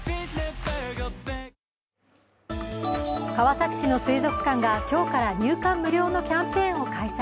川崎市の水族館が今日から入館無料のキャンペーンを開催。